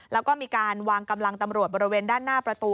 แล้วก็มีการวางกำลังตำรวจบริเวณด้านหน้าประตู